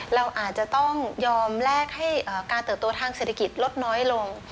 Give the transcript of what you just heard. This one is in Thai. เราอาจจะต้องยอมแลกให้การเติบโตทางเศรษฐกิจลดน้อยลง